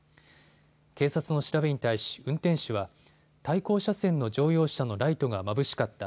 警察の調べに対し運転手は対向車線の乗用車のライトがまぶしかった。